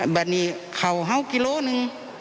บะหนี่เขาเฮาว์กิโลหนึ่ง